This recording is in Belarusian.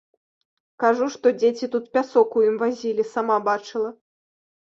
Кажу, што дзеці тут пясок у ім вазілі, сама бачыла.